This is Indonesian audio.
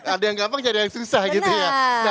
ada yang gampang jadi ada yang susah gitu ya